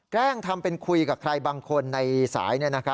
แกล้งทำเป็นคุยกับใครบางคนในสาย